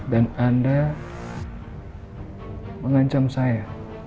dan anda mengancam saya